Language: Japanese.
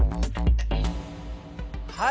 はい。